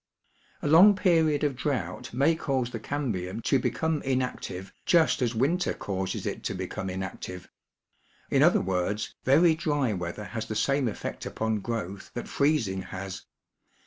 A long period of drought may cause the cambium to become inactive just as winter causes it to become inactive ; in other words, very dry weather has the same effect upon growth that freezing has.